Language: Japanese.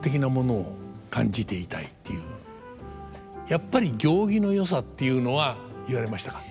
やっぱり行儀のよさっていうのは言われましたか？